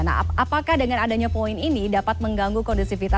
nah apakah dengan adanya poin ini dapat mengganggu kondusivitas